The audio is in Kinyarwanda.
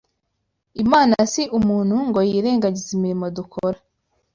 imana si umuntu ngo yirengagize imirimo dukora